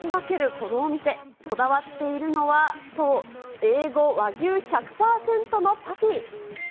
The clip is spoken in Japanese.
このお店、こだわっているのはそう、Ａ５和牛１００％のパティ。